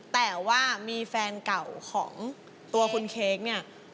แต่ว่ามีแฟนเก่าของตัวคุณเค้กเนี่ย